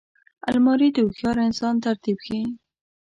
الماري د هوښیار انسان ترتیب ښيي